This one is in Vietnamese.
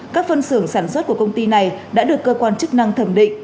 các phân xưởng sản xuất của công ty này đã được cơ quan chức năng thẩm định